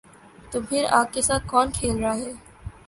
تو پھر آگ کے ساتھ کون کھیل رہا ہے؟